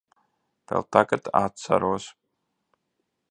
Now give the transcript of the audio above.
Vēl tagad atceros.